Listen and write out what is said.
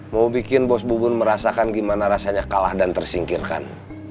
mau bikin bos bubun merasakan gimana rasanya kalah dan tersingkirkan